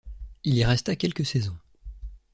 Il y resta quelques saisons.